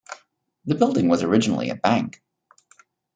The building was originally a bank.